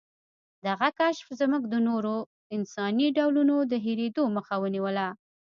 دغه کشف زموږ د نورو انساني ډولونو د هېرېدو مخه ونیوله.